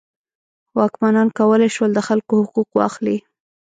واکمنان کولی شول د خلکو حقوق واخلي.